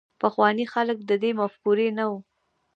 پخواني خلک د دې مفکورې نه وو.